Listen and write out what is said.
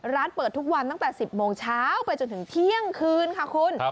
ร้านเปิดทุกวันตั้งแต่๑๐โมงเช้าไปจนถึงเที่ยงคืนค่ะคุณ